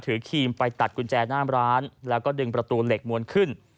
ครีมไปตัดกุญแจหน้าร้านแล้วก็ดึงประตูเหล็กม้วนขึ้น